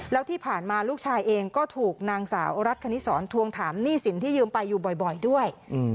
แล้วที่ผ่านมาลูกชายเองก็ถูกนางสาวรัฐคณิสรทวงถามหนี้สินที่ยืมไปอยู่บ่อยด้วย